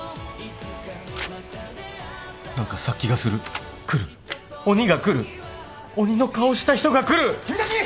何か殺気がする来る鬼が来る鬼の顔した人が来る君達！